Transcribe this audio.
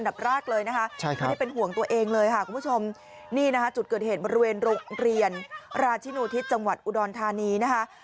แรกเลยนะคะไม่ได้เป็นห่วงตัวเองเลยค่ะคุณผู้ชมนี่นะคะจุดเกิดเหตุบริเวณโรงเรียนราชินูทิศจังหวัดอุดรธานีนะคะ